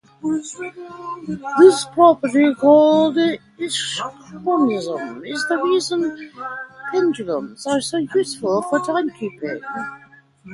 This property, called isochronism, is the reason pendulums are so useful for timekeeping.